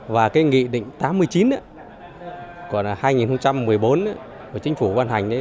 và cái nghị định tám mươi chín còn là hai nghìn một mươi bốn của chính phủ văn hành